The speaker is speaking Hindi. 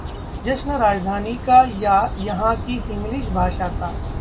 जश्न राजधानी का या यहां की हिग्लिश भाषा का